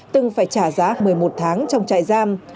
từng phải trả giá một mươi một tháng trong trại giam